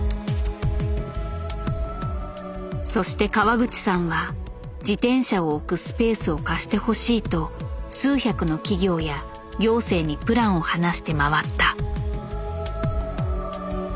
そして川口さんは自転車を置くスペースを貸してほしいと数百の企業や行政にプランを話して回った。